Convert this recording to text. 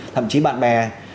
thậm chí bạn bè